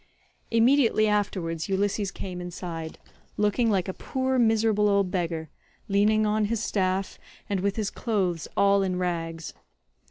Immediately afterwards Ulysses came inside, looking like a poor miserable old beggar, leaning on his staff and with his clothes all in rags.